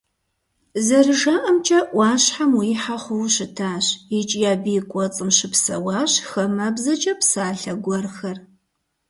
ЗэрыжаӀэмкӀэ, Ӏуащхьэм уихьэ хъууэ щытащ, икӀи абы и кӀуэцӀым щыпсэуащ «хамэбзэкӀэ псалъэ гуэрхэр».